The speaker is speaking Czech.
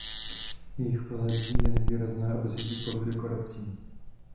Jejich pozadí je nevýrazné a bez jakýchkoli dekorací.